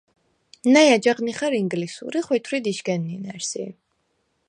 ნა̈ჲ აჯაღ ნიხალ ინგლისურ ი ხვითვრიდ იშგენ ნჷნა̈რსი.